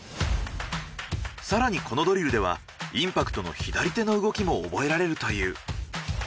更にこのドリルではインパクトの左手の動きも覚えられるという。